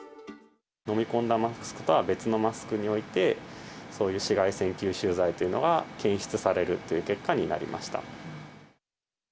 飲み込んだマスクとは別のマスクにおいて、そういう紫外線吸収剤というのが検出されるという結果になりました。